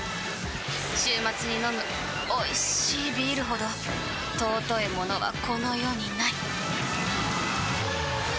週末に飲むおいしいビールほど尊いものはこの世にない！